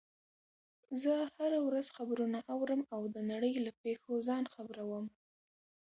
زه هره ورځ خبرونه اورم او د نړۍ له پیښو ځان خبر وم